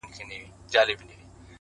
هغي نجلۍ چي زما له روحه به یې ساه شړله ـ